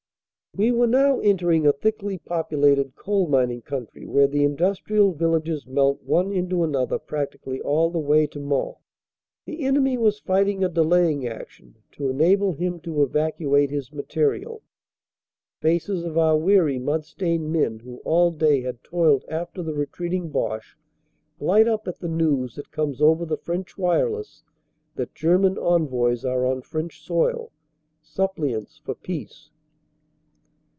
We were now entering a thickly populated coal mining country, where the industrial villages melt one into another practically all the way to Mons. The enemy was fighting a delaying action, to enable him to evacuate his material. Faces of our weary mud stained men who all day had toiled after the retreating Boche, light up at the news that comes over the French wireless that German envoys are on French soil, sup pliants for peace.